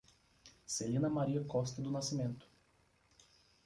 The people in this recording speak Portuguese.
Celina Maria Costa do Nascimento